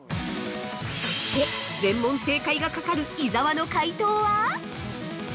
◆そして、全問正解がかかる伊沢の解答は？